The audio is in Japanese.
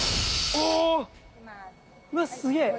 うわっすげえ。